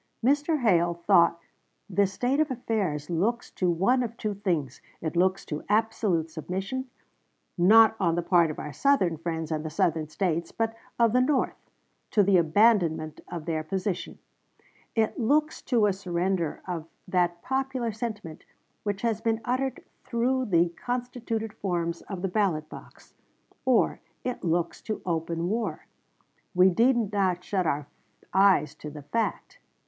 Mr. Hale thought "this state of affairs looks to one of two things; it looks to absolute submission, not on the part of our Southern friends and the Southern States but of the North to the abandonment of their position; it looks to a surrender of that popular sentiment which has been uttered through the constituted forms of the ballot box; or it looks to open war. We need not shut our eyes to the fact.